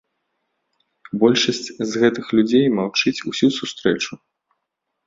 Большасць з гэтых людзей маўчыць усю сустрэчу.